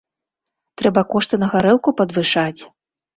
Трэба кошты на гарэлку падвышаць.